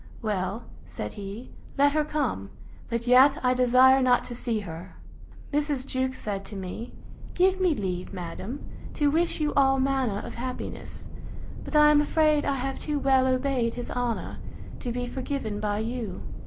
Well, said he, let her come: but yet I desire not to see her. Mrs. Jewkes said to me, Give me leave, madam, to wish you all manner of happiness: But I am afraid I have too well obeyed his honour, to be forgiven by you.